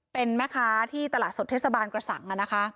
เป็นมั้ยคะที่ตลาดสดเทศบาลกระสั่งอ่ะนะคะ